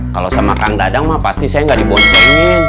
kalau saya makan dadang mah pasti saya gak diboncengin